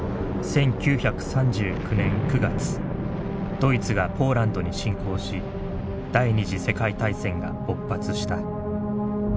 ドイツがポーランドに侵攻し第二次世界大戦が勃発した。